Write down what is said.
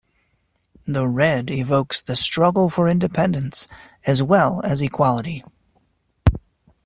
The red evokes the "struggle for independence", as well as equality.